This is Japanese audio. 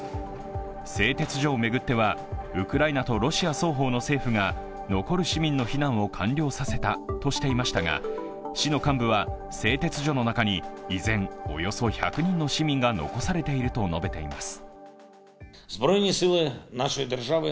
製鉄所を巡っては、ウクライナとロシア双方の政府が残る市民の避難を完了させたとしていましたが、市の幹部は製鉄所の中に依然およそ１００人の市民が残されていると述べています。